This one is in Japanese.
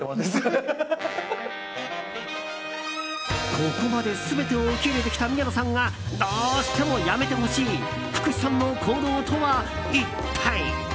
ここまで全てを受け入れてきた宮野さんがどうしてもやめてほしい福士さんの行動とは一体。